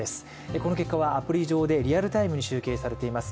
この結果はアプリ上でリアルタイムに集計されています。